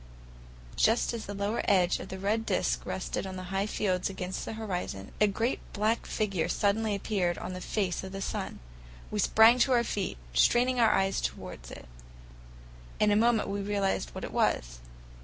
Just as the lower edge of the red disc rested on the high fields against the horizon, a great black figure suddenly appeared on the face of the sun. We sprang to our feet, straining our eyes toward it. In a moment we realized what it was.